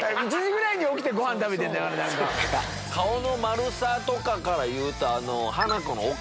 顔の丸さとかからいうと。